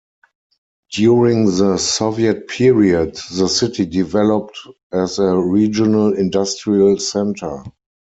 During the Soviet period, the city developed as a regional industrial center.